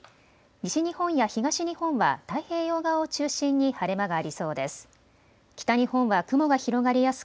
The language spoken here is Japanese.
西日本や東日本は太平洋側を中心に晴れ間がありそうです。